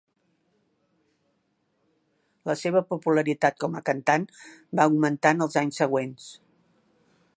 La seva popularitat com a cantant va augmentar en els anys següents.